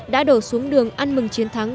đã đổ xuống đường ăn mừng chiến thắng